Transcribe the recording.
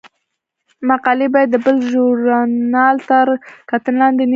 مقالې باید د بل ژورنال تر کتنې لاندې نه وي.